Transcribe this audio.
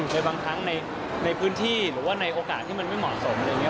โดยบางครั้งในพื้นที่หรือว่าในโอกาสที่มันไม่เหมาะสมอะไรอย่างนี้